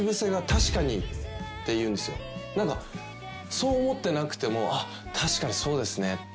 そう思ってなくても「確かにそうですね」って。